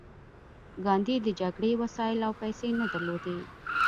ګاندي د جګړې وسایل او پیسې نه درلودې